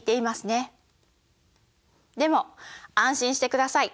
でも安心してください。